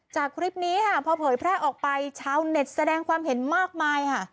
จากคลิปนี้ค่ะพอเผยแพร่ออกไปชาวเน็ตแสดงความเห็นมากมายค่ะ